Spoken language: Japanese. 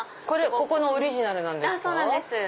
ここのオリジナルなんですか？